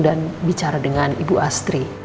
dan bicara dengan ibu astri